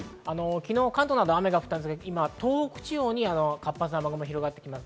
昨日、関東など雨が降りましたが、東北地方に活発な雨雲が広がっています。